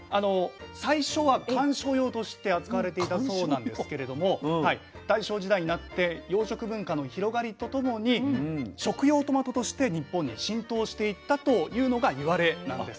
最初は観賞用として扱われていたそうなんですけれども大正時代になって洋食文化の広がりとともに食用トマトとして日本に浸透していったというのがいわれなんです。